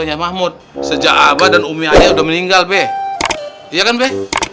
anaknya mahmud sejak abad dan umi aja udah meninggal be ya kan be